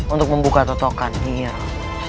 untuk membuka totokan nyi iroh